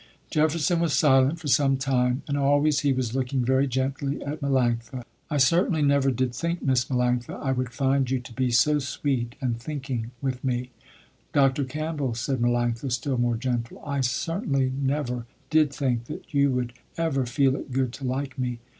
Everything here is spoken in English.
Jefferson was silent for some time, and always he was looking very gently at Melanctha. "I certainly never did think, Miss Melanctha, I would find you to be so sweet and thinking, with me." "Dr. Campbell" said Melanctha, still more gentle, "I certainly never did think that you would ever feel it good to like me.